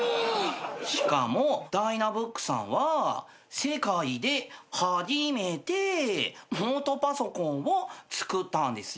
しかもｄｙｎａｂｏｏｋさんは世界で初めてノートパソコンを作ったんですよ。